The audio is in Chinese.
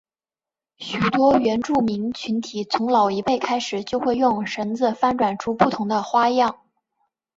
许多原住民群体从老一辈开始就会用绳子翻转出不同的花样。